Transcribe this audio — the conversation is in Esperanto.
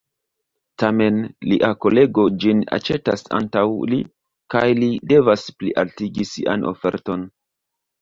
Tamen, lia kolego ĝin aĉetas antaŭ li, kaj li devas plialtigi sian oferton.